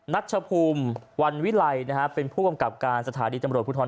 ัชภูมิวันวิไลนะฮะเป็นผู้กำกับการสถานีตำรวจภูทร